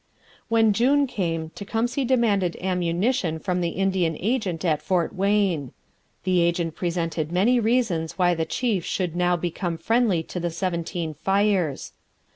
When June came Tecumseh demanded ammunition from the Indian agent at Fort Wayne. The agent presented many reasons why the chief should now become friendly to the Seventeen Fires.